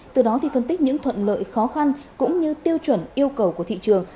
từ đó thì phân tích những thuận lợi khó khăn cũng như tiêu chuẩn yêu cầu của thị trường